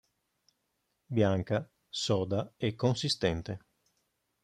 Bianca, soda e consistente.